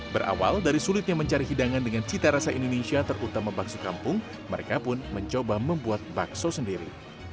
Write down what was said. berawal dari sulitnya mencari hidangan dengan cita rasa indonesia terutama bakso kampung mereka pun mencoba membuat bakso sendiri